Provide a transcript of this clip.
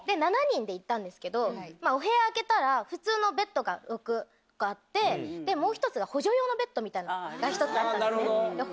で行ったんですけどお部屋開けたら普通のベッドが６個あってもう１つが補助用のベッドみたいなのが１つあったんですね。